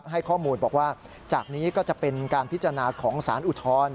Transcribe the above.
ให้ข้อมูลบอกว่าจากนี้ก็จะเป็นการพิจารณาของสารอุทธรณ์